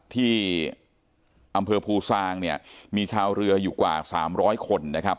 ที่อำเภอภูซางเนี่ยมีชาวเรืออยู่กว่า๓๐๐คนนะครับ